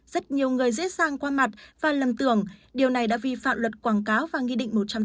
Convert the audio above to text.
rất nhiều người dễ sang qua mặt và lầm tưởng điều này đã vi phạm luật quảng cáo và nghị định một trăm tám mươi